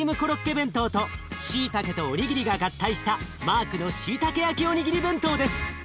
弁当としいたけとおにぎりが合体したマークのしいたけ焼きおにぎり弁当です。